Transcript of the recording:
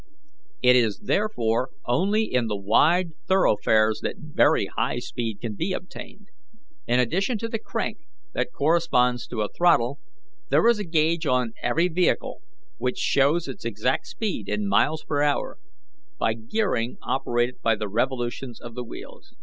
It is therefore only in the wide thoroughfares that very high speed can be attained. In addition to the crank that corresponds to a throttle, there is a gauge on every vehicle, which shows its exact speed in miles per hour, by gearing operated by the revolutions of the wheels.